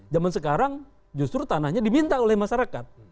zaman sekarang justru tanahnya diminta oleh masyarakat